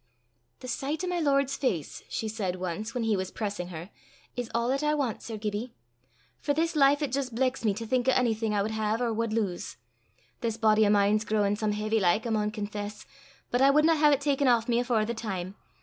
"The sicht o' my Lord's face," she said once, when he was pressing her, "is a' 'at I want, Sir Gibbie. For this life it jist blecks me to think o' onything I wad hae or wad lowse. This boady o' mine's growin' some heavy like, I maun confess, but I wadna hae 't ta'en aff o' me afore the time.